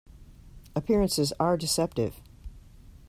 Appearances are deceptive.